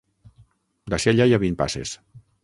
D'ací allà hi ha vint passes.